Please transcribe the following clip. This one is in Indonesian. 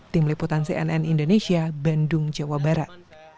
tim liputan cnn indonesia bandung jawa barat